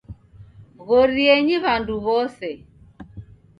Ghorienyi w'andu w;ose